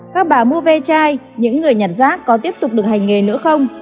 các bà mua ve chai những người nhặt rác có tiếp tục được hành nghề nữa không